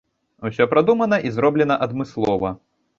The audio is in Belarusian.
Усё прадумана і зроблена адмыслова.